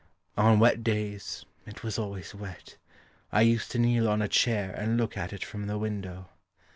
On wet days it was always wet I used to kneel on a chair And look at it from the window.